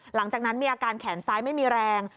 หลังจากนั้นมีอาการแขนซ้ายไม่มีแรง